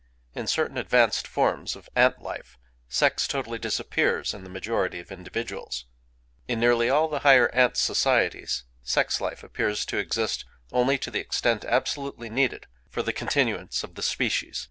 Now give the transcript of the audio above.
In certain advanced forms of ant life sex totally disappears in the majority of individuals;—in nearly all the higher ant societies sex life appears to exist only to the extent absolutely needed for the continuance of the species.